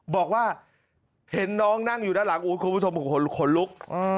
บอกว่าเห็นน้องนั่งอยู่ด้านหลังอู๊ดคุณผู้ชมขนลุก